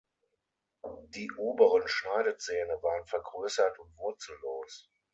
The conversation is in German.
Die oberen Schneidezähne waren vergrößert und wurzellos.